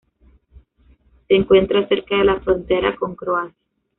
Se encuentra cerca de la frontera con Croacia.